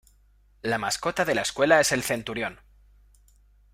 La mascota de la escuela es el Centurion.